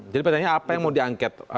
jadi pertanyaannya apa yang mau diangket